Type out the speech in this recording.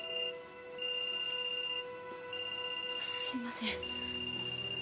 すいません。